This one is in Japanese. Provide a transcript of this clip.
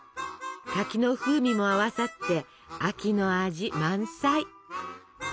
柿の風味も合わさって秋の味満載！